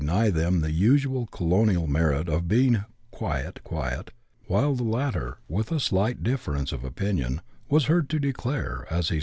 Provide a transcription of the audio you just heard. ny them tin; iisual (tolonial mcwit of being " (piite; (puet," while the latter, with a slight diflerence of oj)ini()n, was heard to declare, as he s